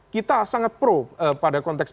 kita sangat pro pada konteks